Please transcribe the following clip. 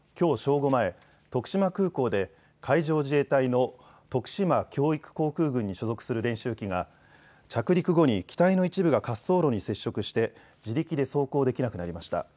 午前、徳島空港で海上自衛隊の徳島教育航空群に所属する練習機が着陸後に機体の一部が滑走路に接触して自力で走行できなくなりました。